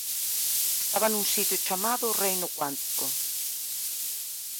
Estaba nun sitio chamado o reino cuántico.